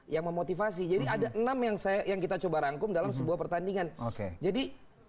yang memotivasi jadi ada enam yang saya yang kita coba rangkum dalam sebuah pertandingan oke jadi